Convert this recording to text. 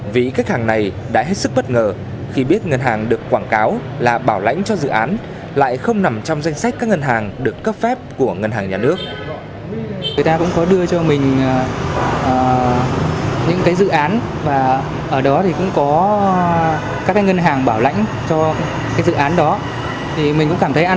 vì các hàng này đã hết sức bất ngờ khi biết ngân hàng được quảng cáo là bảo lãnh cho dự án lại không nằm trong danh sách các ngân hàng được cấp phép của ngân hàng nhà nước